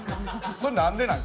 それ何でなん？